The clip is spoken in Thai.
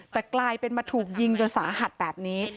แต่กลายเป็นมาถูกยิงจนสาหัสแบบนี้